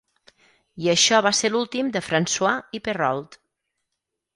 I això va ser l'últim de Francois i Perrault.